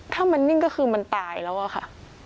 ถ้ามันนิ่งก็คือมันตายแล้วอะค่ะ